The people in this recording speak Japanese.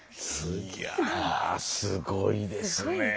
いやすごいですね。